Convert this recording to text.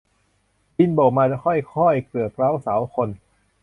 บินโบกมาค้อยค้อย เกลือกเคล้าเสาวคนธ์